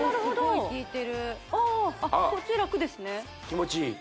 気持ちいい